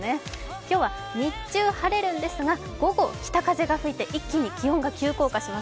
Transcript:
今日は日中晴れるんですが午後北風が吹いて一気に気温が急降下します。